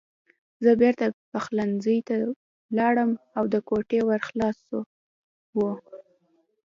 زه بېرته پخلنځي ته لاړم او د کوټې ور خلاص و